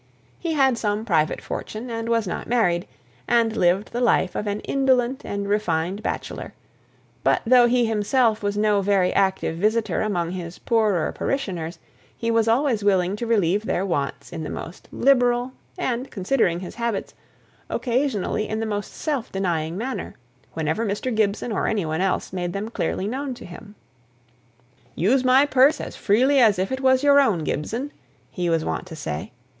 He had some private fortune, and was not married, and lived the life of an indolent and refined bachelor; but though he himself was no very active visitor among his poorer parishioners, he was always willing to relieve their wants in the most liberal, and, considering his habits, occasionally in the most self denying manner, whenever Mr. Gibson, or any one else, made them clearly known to him. "Use my purse as freely as if it was your own, Gibson," he was wont to say.